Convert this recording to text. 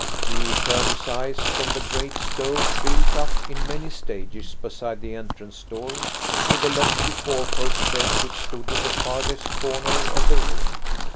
He turned his eyes from the great stove, built up in many stages beside the entrance door, to the lofty four post bed which stood in the farthest corner of the room.